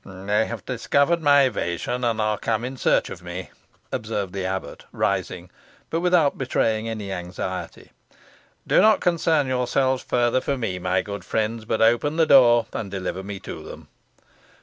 "They have discovered my evasion, and are come in search of me," observed the abbot rising, but without betraying any anxiety. "Do not concern yourselves further for me, my good friends, but open the door, and deliver me to them."